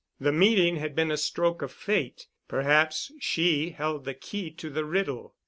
The meeting had been a stroke of Fate. Perhaps she held the key to the riddle.